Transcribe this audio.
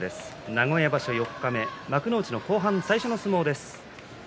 名古屋場所四日目幕内の後半、最初の相撲です。